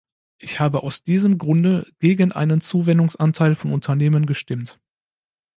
Ich habe aus diesem Grunde gegen einen Zuwendungsanteil von Unternehmen gestimmt.